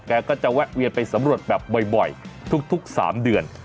ก็จะแวะเวียนไปสำรวจแบบบ่อยทุก๓เดือน